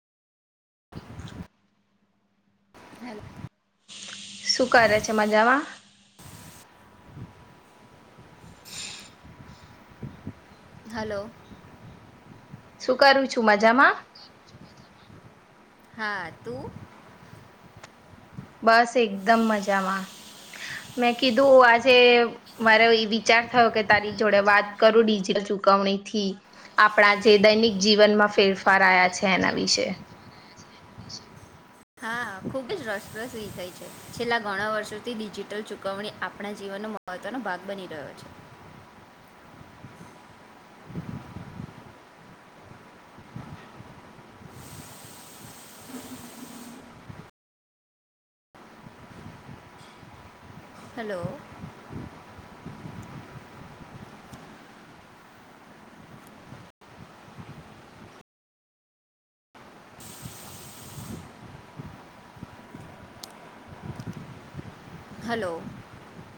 હાલ. શું કરે છે? મજામાં. હાલો શું કરું છું? મજામાં. હા, તુ? બસ એકદમ મજામાં મેં કીધું આજે મારો એ વિચાર થયો કે તારી જોડે વાત કરું ડિજિટલ ચુકવણી થી આપણા જે દૈનિક જીવનમાં ફેરફાર આયા છે એના વિશે. હા, ખુબ જ રસપ્રસ વિષય છે છેલ્લા ઘણા વર્ષોથી ડિજિટલ ચુકવણી આપણા જીવનનો મહત્વનો ભાગ બની ગયો છે. હેલો. હલો.